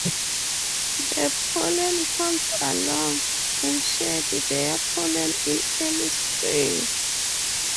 The pollen cones are long, and shed their pollen in early spring.